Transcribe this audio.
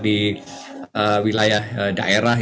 di wilayah daerah